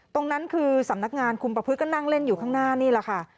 ตรงนั้นคือสำนักงานคุมประพฤติก็นั่งเล่นอยู่ข้างหน้านี่แหละค่ะ